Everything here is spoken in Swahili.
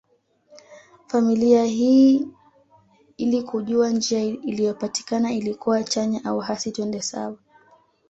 Familia hii ili kujua njia iliyopatikana ilikuwa chanya au hasi twende sawa